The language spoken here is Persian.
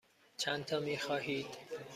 چندتا می خواهید؟